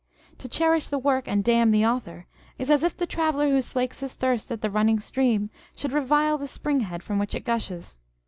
To cherish the work and damn the author is as if the traveller who slakes his thirst at the running stream, should revile the spring head from which it gushes.